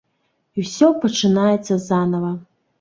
І ўсё пачынаецца занава.